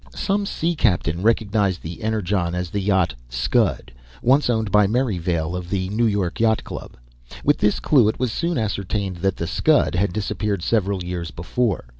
Some sea captain recognized the Energon as the yacht Scud, once owned by Merrivale of the New York Yacht Club. With this clue it was soon ascertained that the Scud had disappeared several years before.